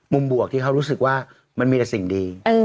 บวกที่เขารู้สึกว่ามันมีแต่สิ่งดี